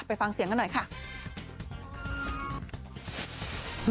ฟังเสียงกันหน่อยค่ะ